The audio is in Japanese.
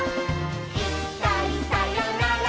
「いっかいさよなら